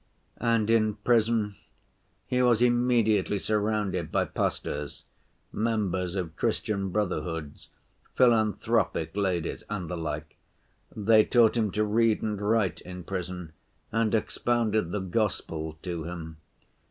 And in prison he was immediately surrounded by pastors, members of Christian brotherhoods, philanthropic ladies, and the like. They taught him to read and write in prison, and expounded the Gospel to him.